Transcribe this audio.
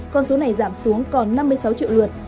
con số này giảm xuống còn năm mươi sáu triệu lượt